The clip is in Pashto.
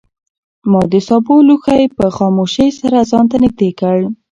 ما د سابو لوښی په خاموشۍ سره ځان ته نږدې کړ.